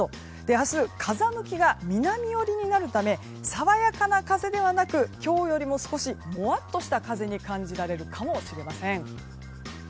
明日、風向きが南寄りになるため爽やかな風ではなく今日よりも少しもわっとした風に感じられるかもしれません。